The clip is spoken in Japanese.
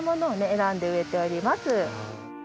選んで植えております。